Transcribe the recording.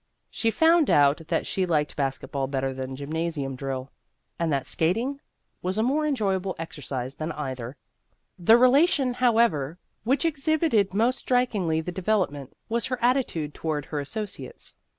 She found out that she liked basket ball better than gymnasium drill, and that The Ghost of Her Senior Year 215 skating was a more enjoyable exercise than either. The relation, however, which exhibited most strikingly the development, was her attitude toward her associates.